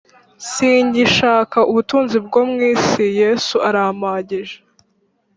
Singishaka ubutunzi bwo mu isi Yesu arampagije